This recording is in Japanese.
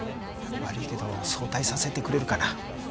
悪いけど早退させてくれるかな？